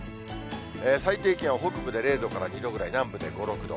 最低気温北部で０度から２度ぐらい、南部で５、６度。